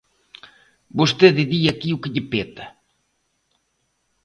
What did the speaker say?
Vostede di aquí o que lle peta.